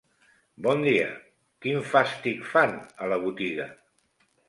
Bon dia, quin fàstic fan a la botiga?